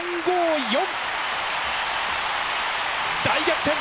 大逆転！